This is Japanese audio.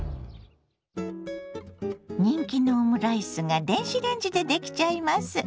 人気のオムライスが電子レンジでできちゃいます。